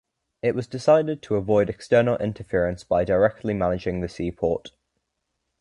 It was decided to avoid external interference by directly managing the seaport.